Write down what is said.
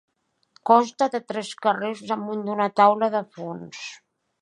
Consta de tres carrers damunt d'una taula de fons.